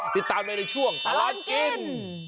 ติดตามเลยในช่วงตลอดกิน